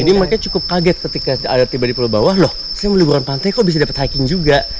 jadi mereka cukup kaget ketika ada tiba di pulau bawah loh saya mau liburan pantai kok bisa dapat hiking juga